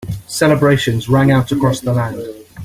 Celebrations rang out across the land.